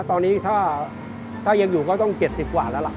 ตอนนี้ถ้ายังอยู่ก็ต้อง๗๐กว่าแล้วล่ะ